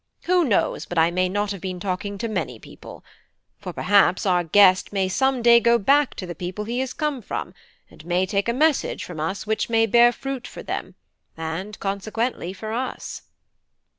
Who knows but I may not have been talking to many people? For perhaps our guest may some day go back to the people he has come from, and may take a message from us which may bear fruit for them, and consequently for us."